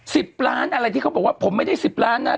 สิบล้านอะไรที่เขาบอกว่าผมไม่ได้สิบล้านนะ